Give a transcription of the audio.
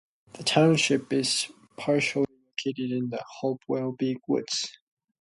The township is partially located in the Hopewell Big Woods.